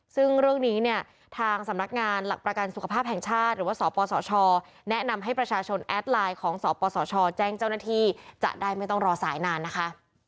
ซึ่งเรื่องนี้เนี่ยทางสำนักงานหลักประกันสุขภาพแห่งชาติหรือว่าสปสชแนะนำให้ประชาชนแอดไลน์ของสปสชแจ้งเจ้าหน้าที่จะได้ไม่ต้องรอสายนานนะคะ